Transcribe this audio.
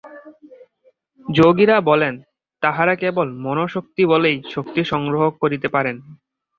যোগীরা বলেন, তাঁহারা কেবল মনঃশক্তিবলেই শক্তি সংগ্রহ করিতে পারেন।